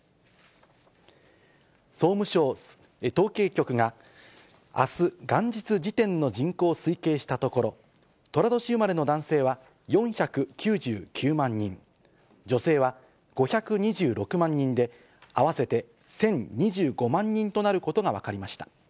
総務省統計局が、あす元日時点の人口を推計したところ、とら年生まれの男性は４９９万人、女性は５２６万人で、合わせて１０２５万人となることが分かりました。